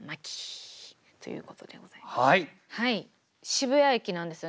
渋谷駅なんですよね。